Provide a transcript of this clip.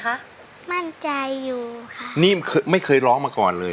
ทำไมหนูถึงกล้าร้องทั้งทั้งที่ไม่เคยร้องมาก่อนเลย